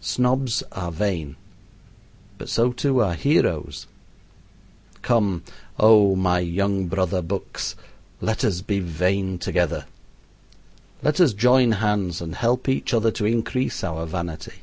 Snobs are vain. But so, too, are heroes. Come, oh! my young brother bucks, let us be vain together. Let us join hands and help each other to increase our vanity.